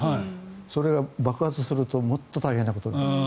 それが爆発するともっと大変なことになります。